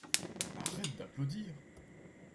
Arrête d’applaudir.